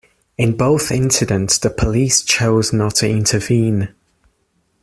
In both incidents the police chose not to intervene.